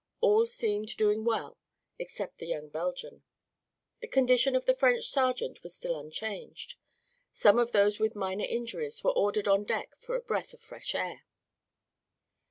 All seemed doing well except the young Belgian. The condition of the French sergeant was still unchanged. Some of those with minor injuries were ordered on deck for a breath of fresh air.